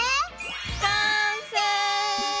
完成！